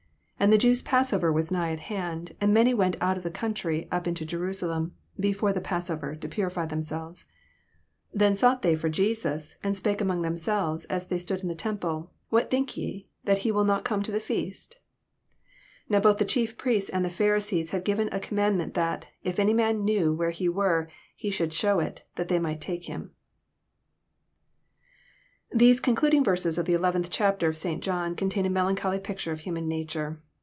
66 And the Jews' passover was nigh at hand : and many went out of the country up to Jerusalem before the passover, to purify. themselves. 66 Then sought they for Jesus, and spake among themselves, as they stood in the temple. What think ye, that ho will not come to the feast 7 67 Now both the chief priests and the Pharisees had given a command ment, that, if any man knew where he were, he should might take him. shew ii, that they These conclading verses of the eleventh chapter of St. John contain a melancholy picture of human nature.